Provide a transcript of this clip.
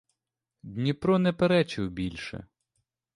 Дніпро не перечив більше.